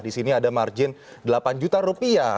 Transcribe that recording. di sini ada margin delapan juta rupiah